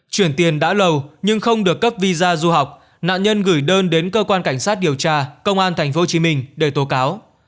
chuyển tiền đã lâu nhưng không được cấp visa du học nạn nhân gửi đơn đến cơ quan cảnh sát điều tra công an tp hcm để tố cáo